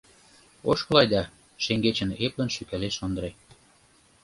Ошкыл айда, — шеҥгечын эплын шӱкалеш Ондре.